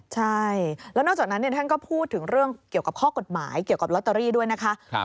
ใช่แล้วนอกจากนั้นท่านก็พูดถึงเรื่องเกี่ยวกับข้อกฎหมายเกี่ยวกับลอตเตอรี่ด้วยนะคะ